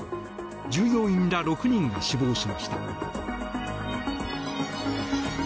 従業員ら６人が死亡しました。